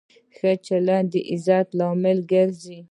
ښه چلند د عزت لامل ګرځي.